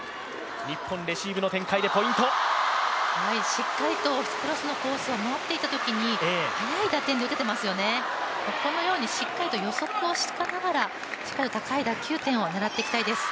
しっかりとクロスのコースが回っていたときに速い打点で打ててますよね、このようにしっかりと予測しながらしっかり高い打球点を狙っていきたいです。